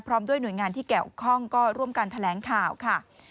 พร้อมด้วยหน่วยงานที่แก่ออกคล่องก็ร่วมกันแถลงข่าวค่ะ